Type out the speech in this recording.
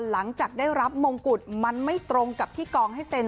หลังจากได้รับมงกุฎมันไม่ตรงกับที่กองให้เซ็น